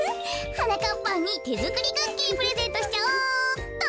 はなかっぱんにてづくりクッキープレゼントしちゃおうっと。